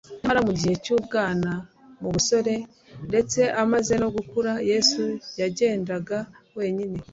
Nyamara mu gihe cy'ubwana, mu busore, ndetse amaze no gukura, Yesu yagendaga wenyine.